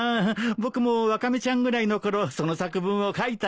僕もワカメちゃんぐらいの頃その作文を書いたよ。